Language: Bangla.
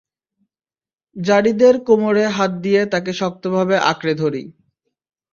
যারীদের কোমরে হাত দিয়ে তাকে শক্তভাবে আঁকড়ে ধরি।